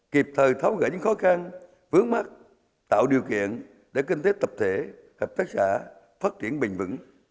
kịp thời tháo gỡ những khó khăn vướng mắt tạo điều kiện để kinh tế tập thể hợp tác xã phát triển bình vững